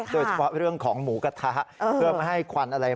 โดยเฉพาะเรื่องของหมูกระทะเพื่อไม่ให้ควันอะไร